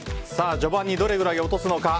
序盤にどれくらい落とすのか。